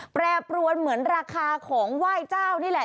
แปรปรวนเหมือนราคาของไหว้เจ้านี่แหละ